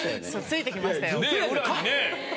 ついてきましたよ。